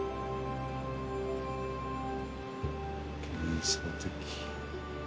幻想的。